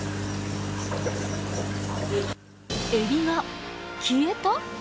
エビが消えた？